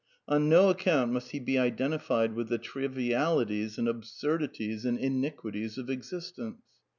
On no account must he be identified with the trivialities and absurdities and iniquities of existence.